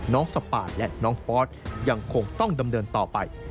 สปาและน้องฟอสยังคงต้องดำเนินต่อไป